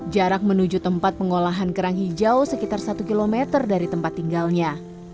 jarak menuju tempat pengolahan kerang hijau sekitar satu km dari tempat tinggalnya